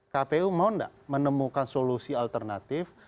kpu mau nggak menemukan solusi alternatif